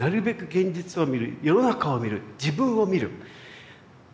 現実を見る世の中を見る自分を見る閉ざさない